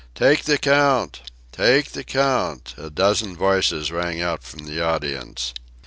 "Take the count! Take the count!" a dozen voices rang out from the audience.